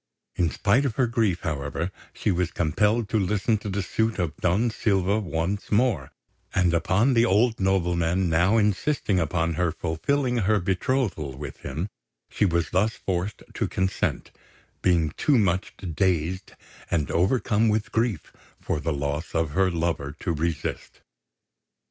In spite of her grief, however, she was compelled to listen to the suit of Don Silva once more; and upon the old nobleman now insisting upon her fulfilling her betrothal with him, she was thus forced to consent, being too much dazed and overcome with grief for the loss of her lover to resist.